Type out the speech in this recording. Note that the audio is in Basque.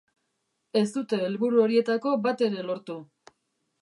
Ez dute helburu horietako bat ere lortu.